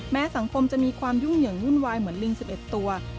สังคมจะมีความยุ่งอย่างวุ่นวายเหมือนลิง๑๑ตัว